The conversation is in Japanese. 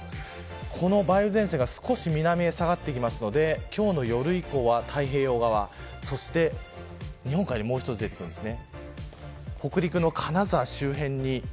この梅雨前線が少し南へ下がりますので今日の夜以降は、太平洋側そして日本海にもう一つ出てきます。